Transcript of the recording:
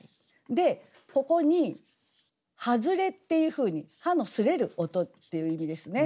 でここに「葉擦れ」っていうふうに葉の擦れる音っていう意味ですね。